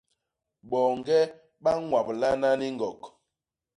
Boñge ba ñwablana ni ñgok.